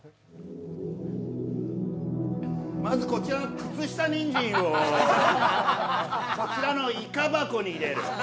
まずこちらの靴下にんじんをこちらのイカ箱に入れる。